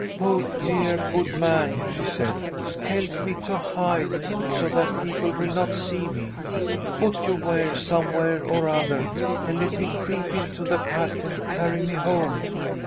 * Oh, dear good man,' she said, * help me to hide, so that people will not see me. Put your wares somewhere or other, and let me creep into the pack, and carry me home.